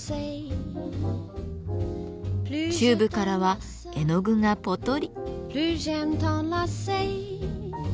チューブからは絵の具がぽとり。